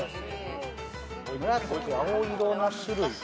紫青色の種類。